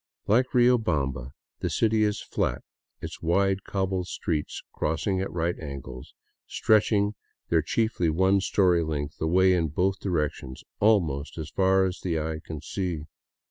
Like Riobamba, the city is flat, its wide, cobbled streets, crossing at right angles, stretching their chiefly one story length away in both directions almost as far as the eye can see.